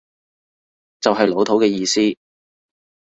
就係老土嘅意思